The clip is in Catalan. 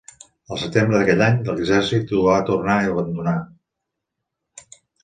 El setembre d'aquell any, l'exèrcit ho va tornar a abandonar.